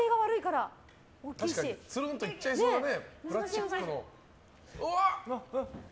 つるんといっちゃいそうなね。